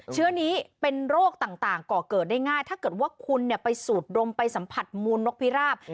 เชื้อนี้เป็นโรคต่างก่อเกิดได้ง่ายถ้าเกิดว่าคุณไปสูดดมไปสัมผัสมูลนกพิราบ